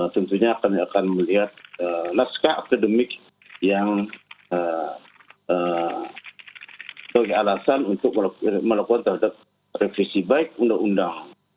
tentunya kami akan melihat naskah akademik yang sebagai alasan untuk melakukan terhadap revisi baik undang undang